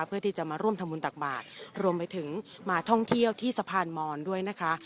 เพื่อที่จะมาร่วมทำบุญตักบาทรวมไปถึงมาท่องเที่ยวที่สะพานมอนด้วยนะคะ